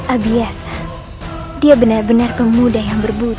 abiasa dia benar benar pemuda yang berburu